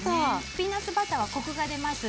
ピーナツバターはコクが出ます。